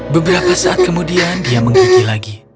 beberapa saat kemudian dia menggigi lagi